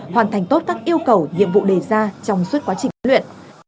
hoàn thành tốt các yêu cầu nhiệm vụ đề ra trong suốt quá trình huấn luyện